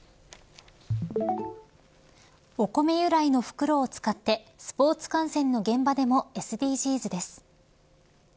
お米由来の袋を使ってスポーツ観戦の現場でもＳＤＧｓです。